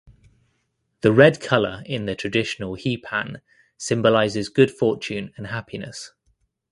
The red color in the traditional hee pan symbolizes good fortune and happiness.